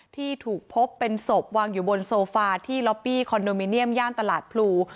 ที่ถูกพบเป็นศพวางอยู่บนโซฟาที่ล็อปปี้คอนโดมิเนียมย่านตลาดพลู